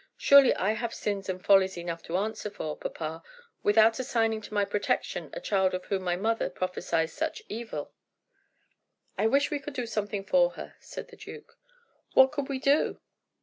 "Surely I have sins and follies enough to answer for, papa, without assigning to my protection a child of whom my mother prophesies such evil." "I wish we could do something for her," said the duke. "What could we do?